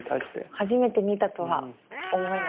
初めて見たとは思えない。